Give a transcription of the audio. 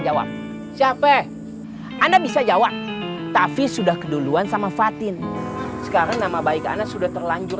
jawab siapa anda bisa jawab tapi sudah keduluan sama fatin sekarang nama baik anda sudah terlanjur